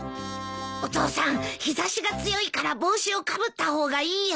お父さん日差しが強いから帽子をかぶった方がいいよ。